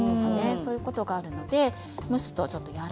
そういうことがあるのでお塩ですね。